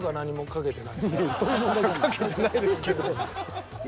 賭けてないですけど。